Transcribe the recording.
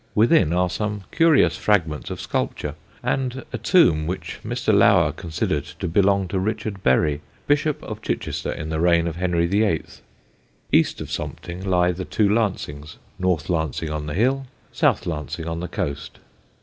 Within are some curious fragments of sculpture, and a tomb which Mr. Lower considered to belong to Richard Bury, Bishop of Chichester in the reign of Henry VIII. East of Sompting lie the two Lancings, North Lancing on the hill, South Lancing on the coast.